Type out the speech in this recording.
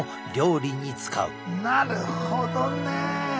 なるほどね。